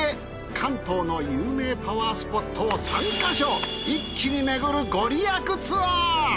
関東の有名パワースポットを３か所一気に巡るご利益ツアー！